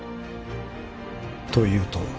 というと？